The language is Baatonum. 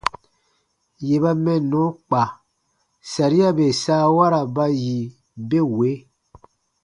Yè ba mɛnnɔ kpa, saria bè saawara ba yi be wee: